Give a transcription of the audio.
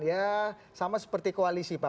ya sama seperti koalisi pak